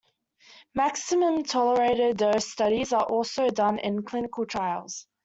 Maximum tolerated dose studies are also done in clinical trials.